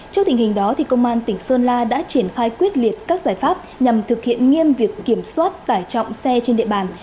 trước tình hình đó công an tỉnh sơn la đã triển khai quyết liệt các giải pháp nhằm thực hiện nghiêm việc kiểm soát tải trọng xe trên địa bàn